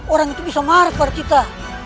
orang itu bisa marah kepada kita